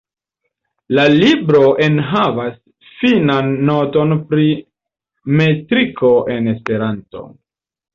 La libro enhavas finan noton pri metriko en Esperanto.